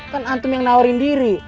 kan antum yang nawarin diri